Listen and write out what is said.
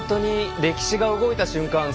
歴史が動いた瞬間